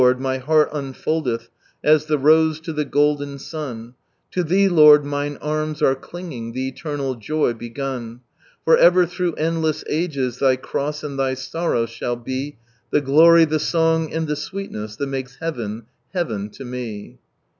I, my heart uiifoldeLh As the rose to Ihe goUlen sun ; To Thee, Lord, miae arms :Lrc clinging, The eternal joy begun I For ever ihroiiEh endless nges Thy cross and Thy sorrow shall lie The filory, the acng, and the sweelress, That mokes lieaven, heaven lo me